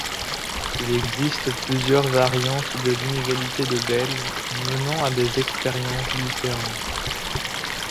Il existe plusieurs variantes de l'inégalité de Bell, menant à des expériences différentes.